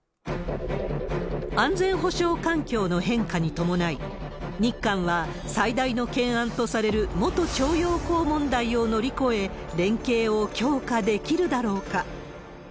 安全保障環境の変化に伴い、日韓は最大の懸案とされる元徴用工問題を乗り越え、連携を強化できるだろうか。